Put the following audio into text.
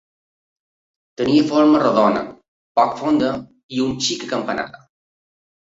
Tenia forma rodona, poc fonda i un xic acampanada.